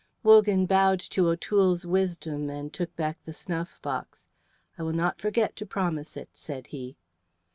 Wogan bowed to O'Toole's wisdom and took back the snuff box. "I will not forget to promise it," said he.